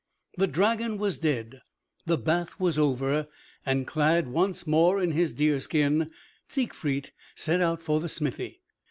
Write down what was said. The dragon was dead, the bath was over, and clad once more in his deerskin, Siegfried set out for the smithy.